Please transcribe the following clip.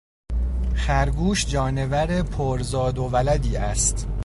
خرگوش جانور پر زاد و ولدی است.